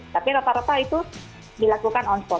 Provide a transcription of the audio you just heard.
tapi rata rata itu dilakukan on spot